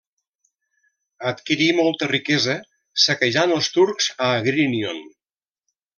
Adquirí molta riquesa saquejant els turcs a Agrínion.